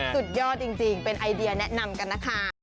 สุดยอดจริงเป็นไอเดียแนะนำกันนะคะ